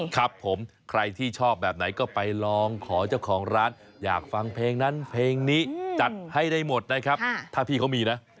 ครับผมใครที่ชอบแบบไหนก็ไปลองขอเจ้าของร้านอยากฟังเพลงนั้นเพลงนี้จัดให้ได้หมดนะครับถ้าพี่เขามีนะ